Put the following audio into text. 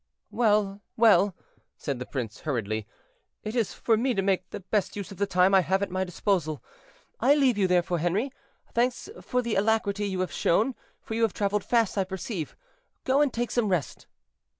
"Well, well," said the prince, hurriedly, "it is for me to make the best use of the time I have at my disposal. I leave you, therefore, Henri; thanks for the alacrity you have shown, for you have traveled fast, I perceive. Go and take some rest."